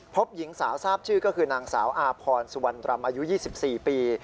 พบหญิงสาวทราบชื่อก็คือนางสาวอาพรสุวรรณรำอายุ๒๔ปี